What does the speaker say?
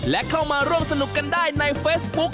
และเข้ามาร่วมสนุกกันได้ในเฟซบุ๊ค